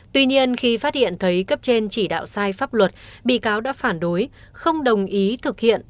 tuy nhiên khi phát hiện thấy cấp trên chỉ đạo sai pháp luật bị cáo đã phản đối không đồng ý thực hiện